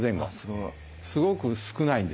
すごく少ないんです。